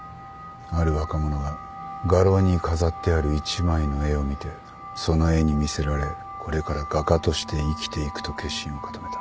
ある若者が画廊に飾ってある一枚の絵を見てその絵に魅せられこれから画家として生きていくと決心を固めた。